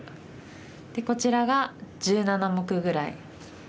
でこちらが１７目ぐらい。